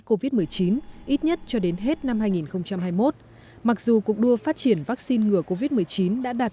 covid một mươi chín ít nhất cho đến hết năm hai nghìn hai mươi một mặc dù cuộc đua phát triển vaccine ngừa covid một mươi chín đã đạt